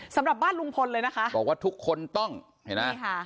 สำหรับบ้านลุงพลเลยนะคะบอกว่าทุกคนต้องเห็นไหมใช่ค่ะ